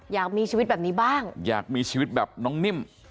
อยากมีชีวิตแบบนี้บ้างอยากมีชีวิตแบบน้องนิ่ม